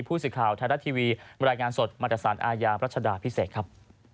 พูดสิทธิ์ข่าวไทยรัฐทีวีบรรยายงานสดมาตรศาลอาญาประชาดาพิเศษครับ